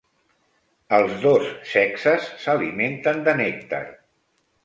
Els dos sexes s'alimenten de nèctar.